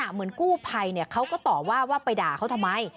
เหมือนกู้ภัยเขาก็ตอบว่าว่าไปด่าเขาทำไม